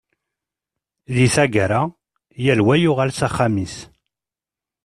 Di taggara, yal wa yuɣal s axxam-is.